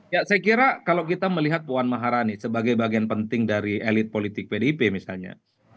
ya saya kira kalau kita melihat puan maharani sebagai bagian penting dari elit politik pdip misalnya